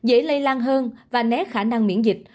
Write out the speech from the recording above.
nếu biến thể lây lan hơn và né khả năng miễn dịch